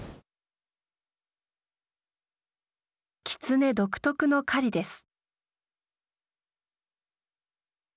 キツネ独特の狩りです。